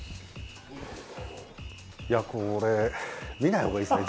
これ見ないほうがいいですね